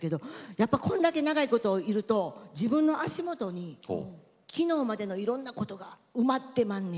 やっぱりこれだけ長いこといると自分の足元に昨日までのいろんなものが埋まっています。